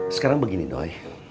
sekarang begini doi